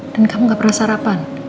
dan kamu gak pernah sarapan